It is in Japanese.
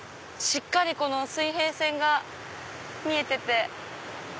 しっかり水平線が見えてて。